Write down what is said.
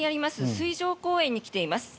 水上公園に来ています。